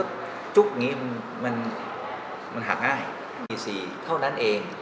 ดีกว่าอีสีเท่านั้นเอง